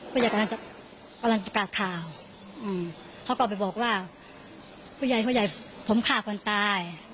ผู้ใหญ่กำลังจะประกาศข่าวเขาก็ไปบอกว่าผู้ใหญ่ผู้ใหญ่ผมฆ่าคนตาย